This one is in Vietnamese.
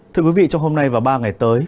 thưa quý vị trong hôm nay và ba ngày tới